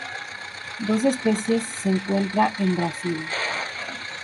Dos especies se encuentra en Brasil.